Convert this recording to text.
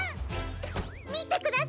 みてください！